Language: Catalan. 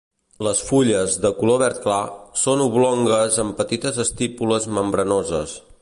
Les fulles, de color verd clar, són oblongues amb petites estípules membranoses.